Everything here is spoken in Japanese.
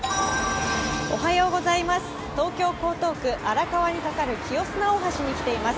東京・江東区、荒川にかかる清砂大橋に来ています。